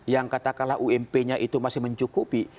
yang katakanlah ump nya itu masih mencukupi